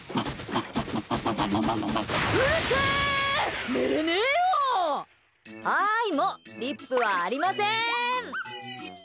はいもうリップはありません！